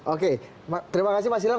oke terima kasih mas silam